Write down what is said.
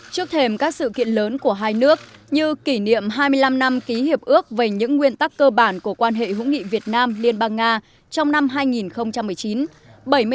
trước thêm các sự kiện lớn của hai nước như kỷ niệm hai mươi năm năm ký hiệp ước về những nguyên tắc cơ bản của quan hệ hữu nghị việt nam liên bang nga trong năm hai nghìn một mươi chín